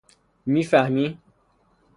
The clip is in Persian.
میفهمی؟